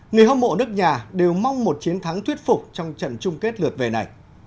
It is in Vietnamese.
người hâm mộ nước nhà đều mong một chiến thắng thuyết phục trong trận chung kết lượt về này